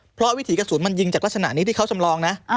เพราะวิถีกระสุนมันยิงจากลักษณะนี้ที่เขาจำลองนะ